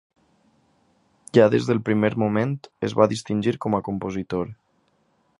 Ja des del primer moment es va distingir com a compositor.